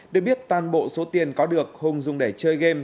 được biết toàn bộ số tiền có được hùng dùng để chơi game